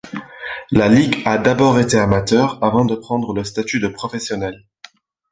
La ligue a d'abord été amateur avant de prendre le statut de professionnel.